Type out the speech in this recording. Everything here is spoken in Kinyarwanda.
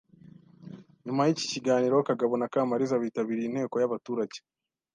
Nyuma y’iki kiganiro Kagabo na Kamariza bitabiriye inteko y’abaturage